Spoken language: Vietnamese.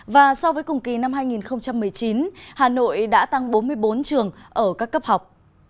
và so với cùng kỳ năm hai nghìn một mươi chín hà nội đã tăng bốn mươi bốn trường ở các cấp học